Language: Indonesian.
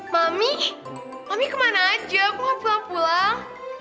mami mami kemana aja aku gak pulang pulang